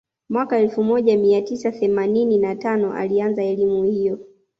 mwaka elfu moja mia tisa theemanini na tano alianza elimu hiyo